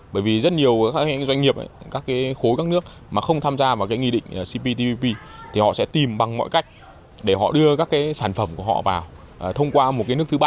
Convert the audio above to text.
bởi vì rất nhiều doanh nghiệp các khối các nước mà không tham gia vào nghị định cp tpp thì họ sẽ tìm bằng mọi cách để họ đưa các sản phẩm của họ vào thông qua một nước thứ ba